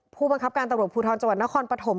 ผู้บังคับการตำรวจภูทรจนพประถม